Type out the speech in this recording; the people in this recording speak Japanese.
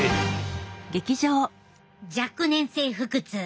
若年性腹痛